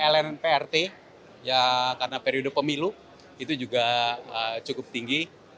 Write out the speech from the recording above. lnprt ya karena periode pemilu itu juga cukup tinggi